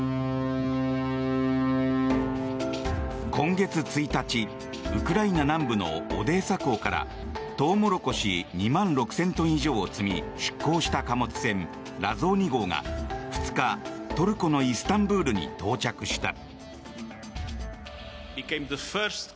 今月１日、ウクライナ南部のオデーサ港からトウモロコシ２万６０００トン以上を積み出港した貨物船「ラゾーニ号」が２日、トルコのイスタンブールに到着した。